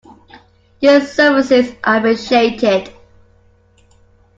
Your services are appreciated.